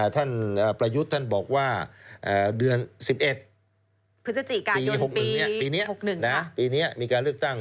ท่านประยุทธ์ท่านบอกว่าเดือน๑๑ปี๖๑ปีนี้มีการเลือกตั้ง